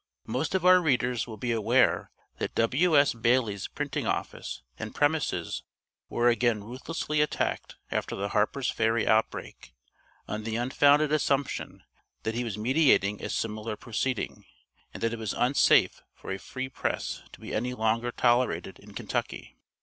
Most of our readers will be aware that W.S. Bailey's printing office and premises were again ruthlessly attacked after the Harper's Ferry outbreak, on the unfounded assumption that he was meditating a similar proceeding, and that it was unsafe for a free press to be any longer tolerated in Kentucky.